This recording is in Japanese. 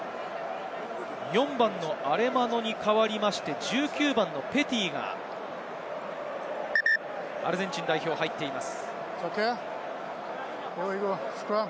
４番のアレマノに代わって１９番のペティがアルゼンチン代表、入っています。